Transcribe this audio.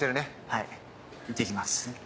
はいいってきます。